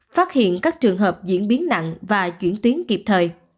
phát hiện các trường hợp diễn biến nặng và chuyển tuyến kịp thời